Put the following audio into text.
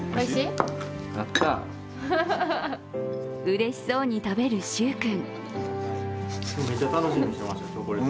うれしそうに食べる柊君。